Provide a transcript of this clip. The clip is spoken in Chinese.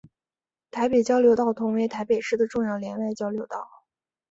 台北交流道同为台北市的重要联外交流道。